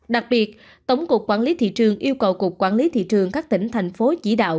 đặc biệt tổng cục quản lý thị trường yêu cầu cục quản lý thị trường các tỉnh thành phố chỉ đạo